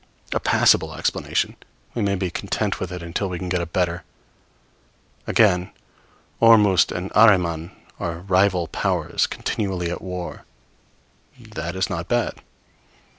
A passable explanation: we may be content with it until we can get a better. Again, Ormuzd and Ahriman are rival powers, continually at war. That is not bad.